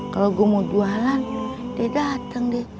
kalau gue mau jualan dia datang